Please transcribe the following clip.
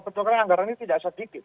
betul karena anggaran ini tidak sedikit